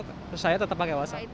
terus saya tetap pakai wawasan